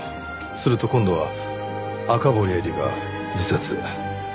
すると今度は赤堀絵里が自殺。